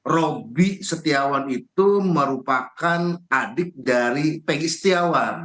robi setiawan itu merupakan adik dari pegi setiawan